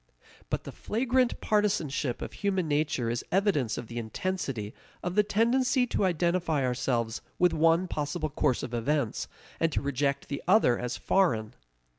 But the flagrant partisanship of human nature is evidence of the intensity of the tendency to identify ourselves with one possible course of events, and to reject the other as foreign.